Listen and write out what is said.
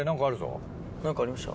何かありました？